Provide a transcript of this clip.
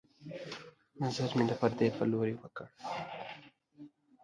نظر مې د پردې په لورې وکړ